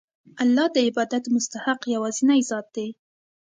الله د عبادت مستحق یوازینی ذات دی.